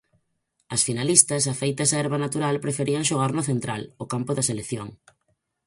As finalistas, afeitas á herba natural, preferían xogar no Central, o campo da selección.